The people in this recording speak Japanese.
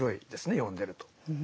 読んでると。